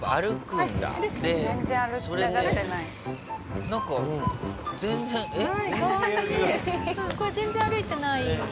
これ全然歩いてないように。